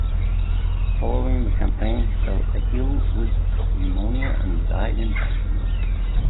Following the campaign, he fell ill with pneumonia and died in Jacksonville.